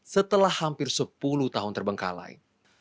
setelah hampir sepuluh tahun terbengkalai